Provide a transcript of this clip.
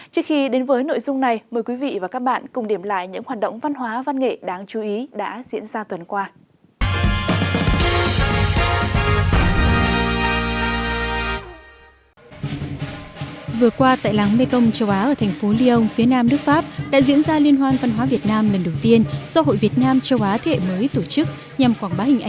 trước khi đến với nội dung này mời quý vị và các bạn cùng điểm lại những hoạt động văn hóa văn nghệ đáng chú ý đã diễn ra tuần qua